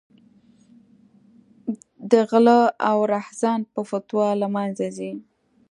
د غله او رحزن په فتوا له منځه ځي.